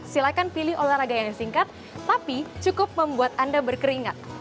silahkan pilih olahraga yang singkat tapi cukup membuat anda berkeringat